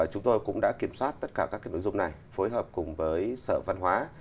chúng tôi cũng đã kiểm soát tất cả các nội dung này phối hợp cùng với sở văn hóa